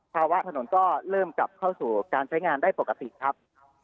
ภาวะถนนก็เริ่มกลับเข้าสู่การใช้งานได้ปกติครับ